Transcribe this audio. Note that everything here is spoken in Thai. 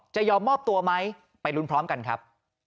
จะยอมมอบตัวไหมไปลุ้นพร้อมกันครับ